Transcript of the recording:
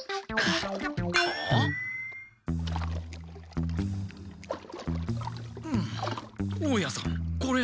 あああ？ん大家さんこれ。